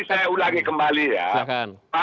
jadi saya ulangi kembali ya